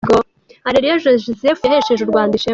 Areruya Joseph yahesheje u Rwanda ishema